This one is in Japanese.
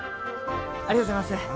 ありがとうございます。